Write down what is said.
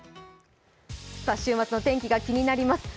週末の天気が気になります。